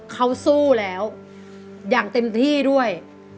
เขาสู้แล้วอย่างเต็มที่ด้วย